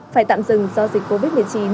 phải tạm dừng do dịch covid một mươi chín